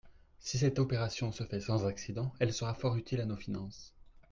Si cette opération se fait sans accident, elle sera fort utile à nos finances.